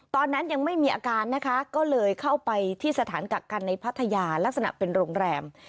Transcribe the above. ตอนนั้นยังไม่มีอาการนะคะก็เลยเข้าไปที่สถานกักกันในพัทยาลักษณะเป็นโรงแรม